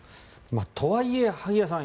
とはいえ、萩谷さん